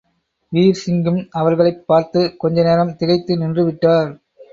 வீர்சிங்கும் அவர்களைப் பார்த்துக் கொஞ்ச நேரம் திகைத்து நின்றுவிட்டார்.